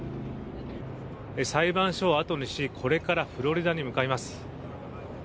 裁判所を後にしこれからフロリダに向かいます。